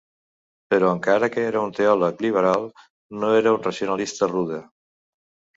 Però encara que era un teòleg liberal, no era un racionalista rude.